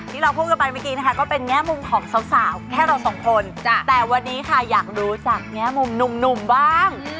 ที่เราพูดกันไปเมื่อกี้นะคะก็เป็นแง่มุมของสาวแค่เราสองคนแต่วันนี้ค่ะอยากรู้จากแง่มุมหนุ่มบ้าง